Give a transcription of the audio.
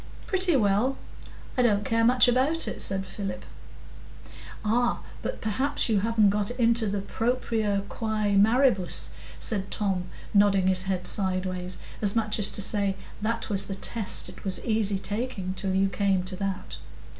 "Pretty well; I don't care much about it," said Philip. "Ah, but perhaps you haven't got into the Propria quæ maribus," said Tom, nodding his head sideways, as much as to say, "that was the test; it was easy talking till you came to that."